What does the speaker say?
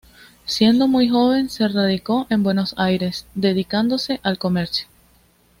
Siendo muy joven se radicó en Buenos Aires, dedicándose al comercio.